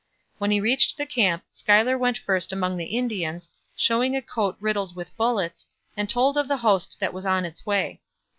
When he reached the camp Schuyler went first among the Indians, showing a coat riddled with bullets, and told of the host that was on its way.